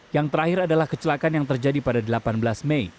yang terakhir adalah kecelakaan yang terjadi pada delapan belas mei